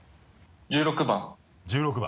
１６番。